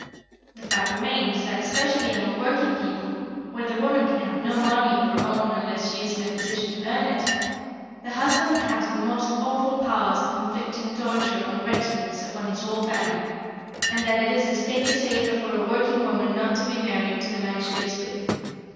The fact remains that, especially among working people, where the woman can have no money of her own unless she is in a position to earn it, the husband has the most awful powers of inflicting torture and wretchedness upon his whole family, and that it is distinctly safer for a working woman not to be married to the man she lives with.